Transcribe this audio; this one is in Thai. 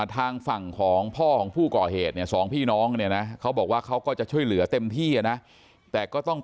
ทางฝั่งของพ่อผู้ก่อเหตุสองพี่น้อง